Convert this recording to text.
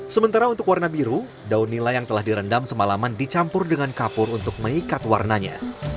sementara untuk warna biru daun nila yang telah direndam semalaman dicampur dengan kapur untuk mengikat warnanya